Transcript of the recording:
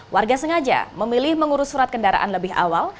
warga sengaja memilih mengurus surat kendaraan lebih awal